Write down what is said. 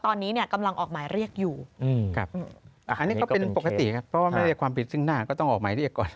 ตอนนี้เนี่ยกำลังออกหมายเรียกอยู่ครับอันนี้ก็เป็นปกติครับเพราะว่าไม่ได้ความผิดซึ่งหน้าก็ต้องออกหมายเรียกก่อน